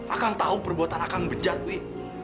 akang tahu perbuatan akang bejat wi